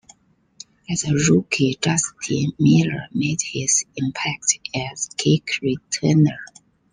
As a rookie, Justin Miller made his impact as kick returner.